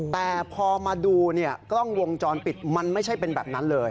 แต่พอมาดูกล้องวงจรปิดมันไม่ใช่เป็นแบบนั้นเลย